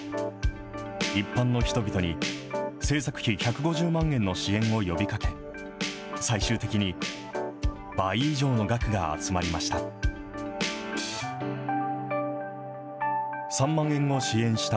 一般の人々に制作費１５０万円の支援を呼びかけ、最終的に倍以上の額が集まりました。